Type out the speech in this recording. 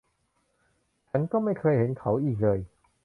ฉันก็ไม่เคยเห็นเขาอีกเลย